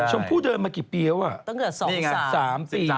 ชมพู่เดินมากี่ปีแล้วอะ